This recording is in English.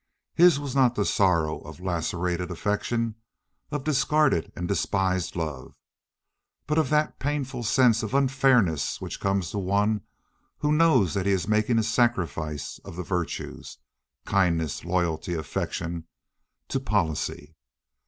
His was not the sorrow of lacerated affection, of discarded and despised love, but of that painful sense of unfairness which comes to one who knows that he is making a sacrifice of the virtues—kindness, loyalty, affection—to policy.